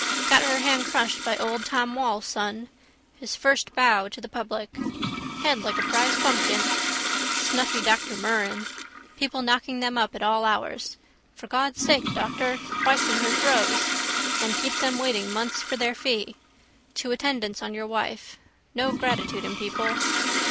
Got her hand crushed by old Tom Wall's son. His first bow to the public. Head like a prize pumpkin. Snuffy Dr Murren. People knocking them up at all hours. For God' sake, doctor. Wife in her throes. Then keep them waiting months for their fee. To attendance on your wife. No gratitude in people.